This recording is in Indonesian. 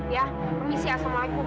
ya permisi assalamualaikum